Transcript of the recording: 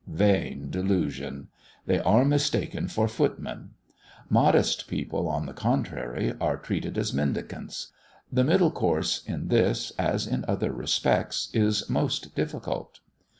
Vain delusion! They are mistaken for footmen. Modest people, on the contrary, are treated as mendicants. The middle course, in this, as in other respects, is most difficult.